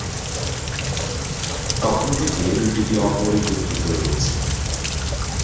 তখন থেকে রুটটি অপরিবর্তিত রয়েছে।